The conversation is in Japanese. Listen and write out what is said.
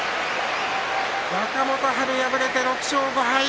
若元春、敗れて６勝５敗。